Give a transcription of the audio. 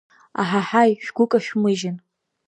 Аҳаҳаи шәгәы кашәмыжьын.